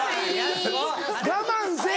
我慢せぇ。